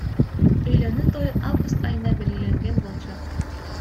Үйлөнүү той август айына белгиленген болчу.